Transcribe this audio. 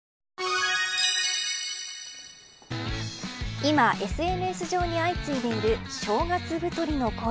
今、ＳＮＳ上に相次いでいる正月太りの声。